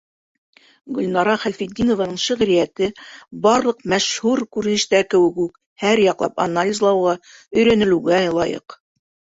Гөлнара Хәлфетдинованың шиғриәте, барлыҡ мәшһүр күренештәр кеүек үк, һәр яҡлап анализлауға, өйрәнелеүгә лайыҡ.